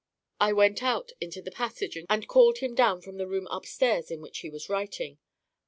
I went out into the passage and called him down from the room upstairs in which he was writing.